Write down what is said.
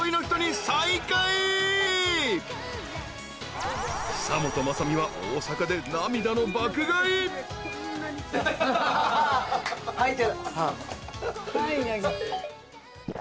［久本雅美は大阪で涙の爆買い］